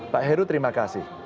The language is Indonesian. pak heru terima kasih